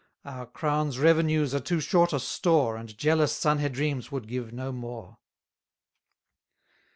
Our crown's revenues are too short a store, And jealous Sanhedrims would give no more.